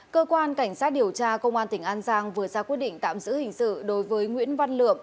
cơ quan cảnh sát điều tra công an tỉnh an giang vừa ra quyết định tạm giữ hình sự đối với nguyễn văn lượng